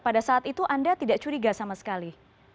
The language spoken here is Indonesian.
pada saat itu anda tidak curiga sama sekali